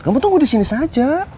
kamu tunggu disini saja